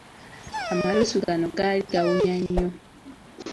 Amalusu gano gaali gawunya nnyo!